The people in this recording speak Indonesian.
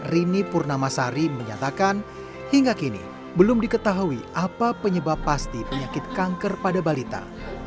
rini purnamasari menyatakan hingga kini belum diketahui apa penyebab pasti penyakit kanker pada balita